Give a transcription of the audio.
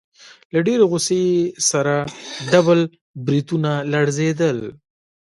له ډېرې غوسې يې سره ډبل برېتونه لړزېدل.